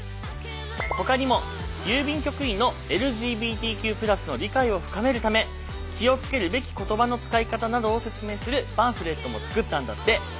ほかにも郵便局員のＬＧＢＴＱ＋の理解を深めるため気を付けるべき言葉の使い方などを説明するパンフレットも作ったんだって。